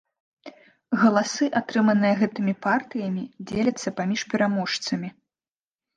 Галасы, атрыманыя гэтымі партыямі, дзеляцца паміж пераможцамі.